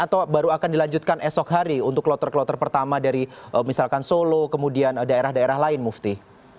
atau baru akan dilanjutkan esok hari untuk kloter kloter pertama dari misalkan solo kemudian daerah daerah lain mufti